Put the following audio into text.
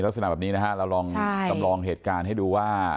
ลักษณะแบบนี้นะฮะเราลองจำลองเหตุการณ์ให้ดูว่า